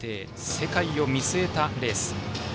世界を見据えたレース。